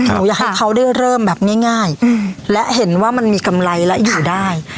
อยากให้เขาได้เริ่มแบบง่ายและเห็นว่ามันมีกำไรและอยู่ได้